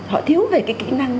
họ thiếu về cái kỹ năng